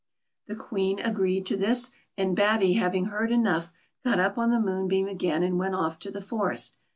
The Queen agreed to this, and Batty having heard enough, got up on the moonbeam again, and went off to the forest.